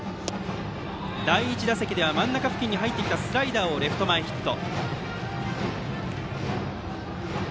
第１打席では真ん中付近に入ってきたスライダーをレフト前ヒット。